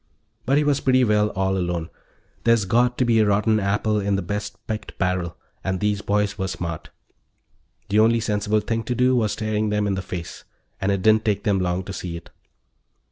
But he was pretty well all alone; there's got to be a rotten apple in the best picked barrel and these boys were smart. The only sensible thing to do was staring them in the face, and it didn't take them long to see it.